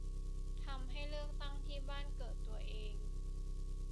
ทำให้เลือกตั้งที่บ้านเกิดตัวเอง